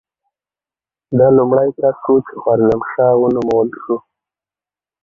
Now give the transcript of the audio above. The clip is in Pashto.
ده لومړی کس و چې خوارزم شاه ونومول شو.